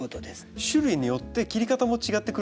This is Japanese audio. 種類によって切り方も違ってくると。